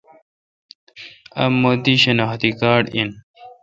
اؘ مہ دی شناختی کارڈ این۔